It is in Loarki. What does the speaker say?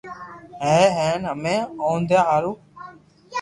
ھي ھين ھمي اوٺيا ھارو